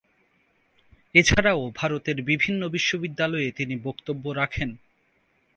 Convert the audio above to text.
এছাড়াও ভারতের বিভিন্ন বিশ্ববিদ্যালয়েও তিনি বক্তব্য রাখেন।